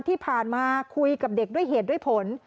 ที่ผ่านมาคุยกับเด็กด้วยเหตุด้วยผล